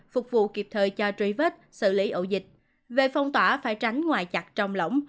phục vụ kịp thời cho truy vết xử lý ẩu dịch về phong tỏa phải tránh ngoài chặt trong lỏng